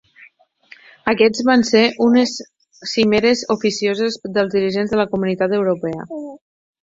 Aquests van ser unes cimeres oficioses dels dirigents de la Comunitat Europea.